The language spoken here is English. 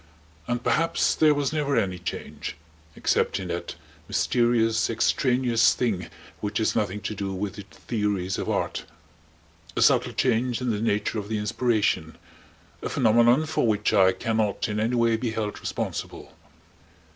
And perhaps there was never any change, except in that mysterious, extraneous thing which has nothing to do with the theories of art; a subtle change in the nature of the inspiration; a phenomenon for which I can not in any way be held responsible.